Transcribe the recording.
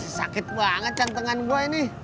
sakit banget jantengan gue ini